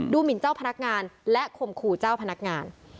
หมินเจ้าพนักงานและข่มขู่เจ้าพนักงาน